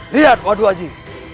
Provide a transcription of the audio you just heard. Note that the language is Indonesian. lihat waduh aji